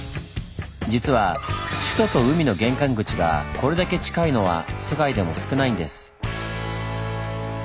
実は首都と海の玄関口がこれだけ近いのは世界でも少ないんです。